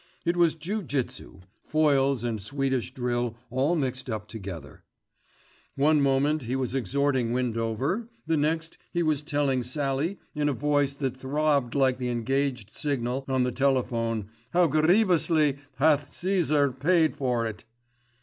It was ju jitsu, foils and Swedish drill all mixed up together. One moment he was exhorting Windover, the next he was telling Sallie in a voice that throbbed like the engaged signal on the telephone how "gerievously hath Cæsar paid for it."